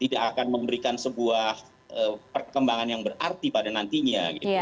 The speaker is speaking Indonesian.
tidak akan memberikan sebuah perkembangan yang berarti pada nantinya